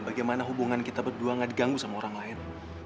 bagaimana hubungan kita berdua gak diganggu sama orang lain